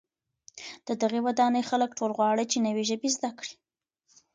د دغي ودانۍ خلک ټول غواړي چي نوې ژبې زده کړي.